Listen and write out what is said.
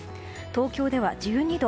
東京では１２度。